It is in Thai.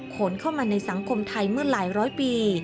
ขนเข้ามาในสังคมไทยเมื่อหลายร้อยปี